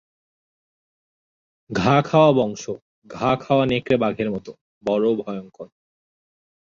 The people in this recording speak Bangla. ঘা-খাওয়া বংশ, ঘা-খাওয়া নেকড়ে বাঘের মতো, বড়ো ভয়ংকর।